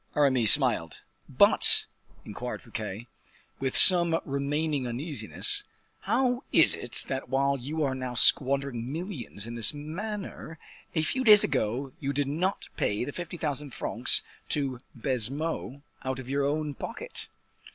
Aramis smiled. "But," inquired Fouquet, with some remaining uneasiness, "how is it that while you are now squandering millions in this manner, a few days ago you did not pay the fifty thousand francs to Baisemeaux out of your own pocket?"